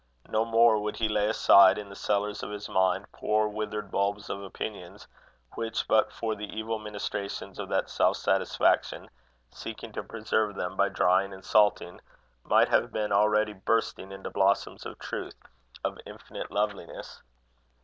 No more would he lay aside, in the cellars of his mind, poor withered bulbs of opinions, which, but for the evil ministrations of that self satisfaction, seeking to preserve them by drying and salting, might have been already bursting into blossoms of truth, of infinite loveliness.